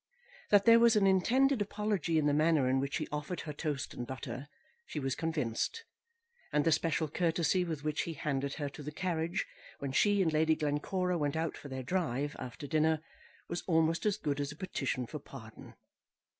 That there was an intended apology in the manner in which he offered her toast and butter, she was convinced; and the special courtesy with which he handed her to the carriage, when she and Lady Glencora went out for their drive, after dinner, was almost as good as a petition for pardon.